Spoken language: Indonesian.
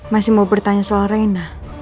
masih mau bertanya soal reina